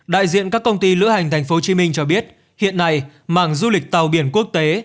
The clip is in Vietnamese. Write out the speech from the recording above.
đại diện các công ty lữ hành thành phố hồ chí minh cho biết hiện nay mảng du lịch tàu biển quốc tế